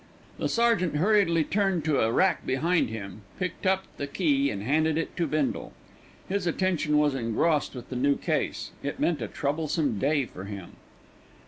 The sergeant hurriedly turned to a rack behind him, picked up the key and handed it to Bindle. His attention was engrossed with the new case; it meant a troublesome day for him.